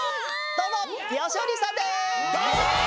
どうもよしお兄さんです。